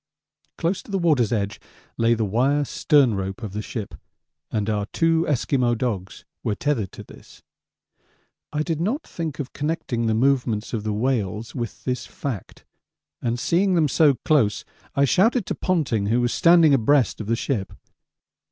Close to the water's edge lay the wire stern rope of the ship, and our two Esquimaux dogs were tethered to this. I did not think of connecting the movements of the whales with this fact, and seeing them so close I shouted to Ponting, who was standing abreast of the ship.